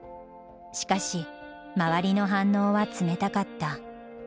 しかし周りの反応は冷たかった。